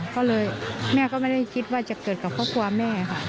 ก็เลยแม่ก็ไม่ได้คิดว่าจะเกิดกับครอบครัวแม่ค่ะ